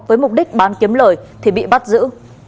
với mục đích bán kiếm lời thì bị bắt giữ